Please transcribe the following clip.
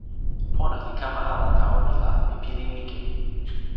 pona li kama ala tawa mi la mi pilin ike.